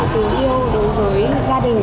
tình yêu đối với gia đình